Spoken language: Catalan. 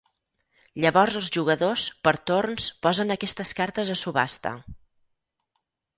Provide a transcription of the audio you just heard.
Llavors els jugadors, per torns, posen aquestes cartes a subhasta.